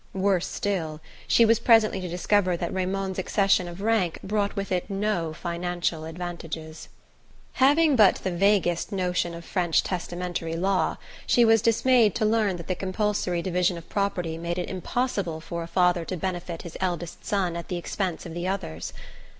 Worse still, she was presently to discover that Raymond's accession of rank brought with it no financial advantages. Having but the vaguest notion of French testamentary law, she was dismayed to learn that the compulsory division of property made it impossible for a father to benefit his eldest son at the expense of the others.